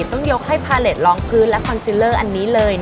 ต้องยกให้พาเลสลองพื้นและคอนซิลเลอร์อันนี้เลย